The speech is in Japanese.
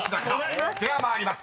［では参ります。